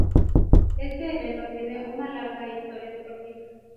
Este evento tiene una larga historia deportiva.